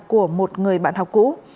của một người bạn học cũ